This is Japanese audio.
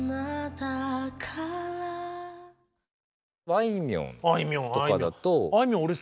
あいみょんとかだと。